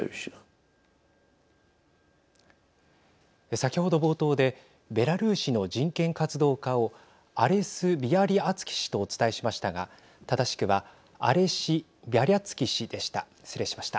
先ほど冒頭でベラルーシの人権活動家をアレス・ビアリアツキ氏とお伝えしましたがアレシ・ビャリャツキ氏でした。